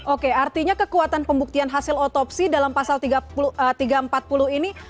oke artinya kekuatan pembuktian hasil otopsi dalam pasal tiga ratus empat puluh ini